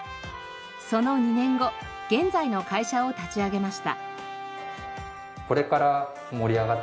その２年後現在の会社を立ち上げました。